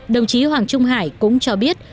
đồng chí hoàng trung hải cũng cho biết